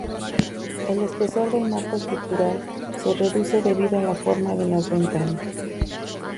El espesor del marco estructural se reduce debido a la forma de las ventanas.